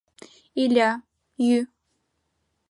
Иля, йӱ.